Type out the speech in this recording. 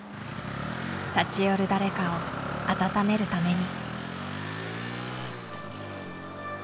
立ち寄る誰かを温めるために。